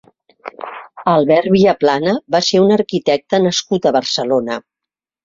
Albert Viaplana va ser un arquitecte nascut a Barcelona.